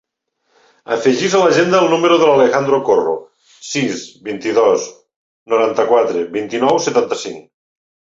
Afegeix a l'agenda el número de l'Alejandro Corro: sis, vint-i-dos, noranta-quatre, vint-i-nou, setanta-cinc.